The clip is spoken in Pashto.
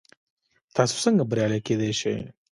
تاسو څنګه بریالي کیدی شئ؟